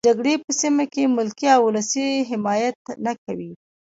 د جګړې په سیمه کې ملکي او ولسي حمایت نه کوي.